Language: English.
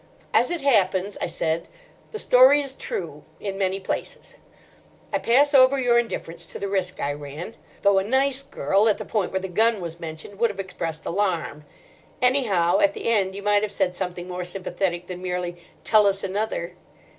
"As it happens," I said, "the story is true, in many places. I pass over your indifference to the risk I ran; though a nice girl at the point where the gun was mentioned would have expressed alarm. Anyhow, at the end you might have said something more sympathetic than merely, 'Tell us another.